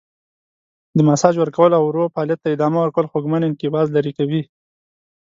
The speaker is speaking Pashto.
د ماساژ ورکول او ورو فعالیت ته ادامه ورکول خوږمن انقباض لرې کوي.